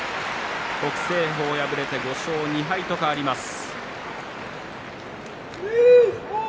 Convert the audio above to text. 北青鵬、敗れて５勝２敗となりました。